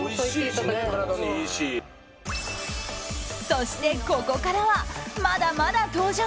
そして、ここからはまだまだ登場！